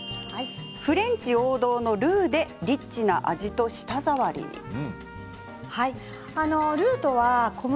フレンチ王道のルーでリッチな味と舌触りにということですね。